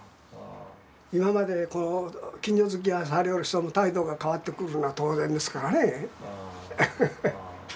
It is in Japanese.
今まで近所づきあいされよる人の態度が変わってくるのは当然ですからね。